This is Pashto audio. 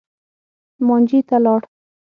مانجې ته لاړ.